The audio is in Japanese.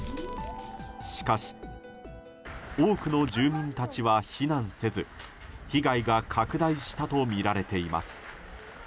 しかし多くの住民たちは避難せず被害が拡大したとみられています。